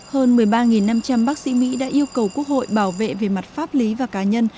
hơn một mươi ba năm trăm linh bác sĩ mỹ đã yêu cầu quốc hội bảo vệ về mặt pháp lý và cá nhân